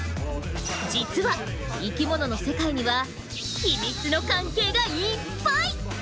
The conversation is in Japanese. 実は生きものの世界にはヒミツの関係がいっぱい！